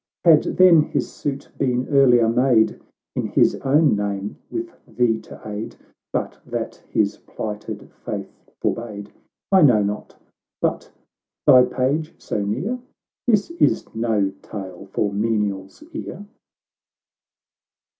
— Had then his suit been earlier made, In his own name, with thee to aid, (But that his plighted faith forbade,) I know not But thy Page so near ?— This is no tale for menial's ear."